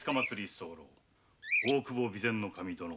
「大久保備前守殿。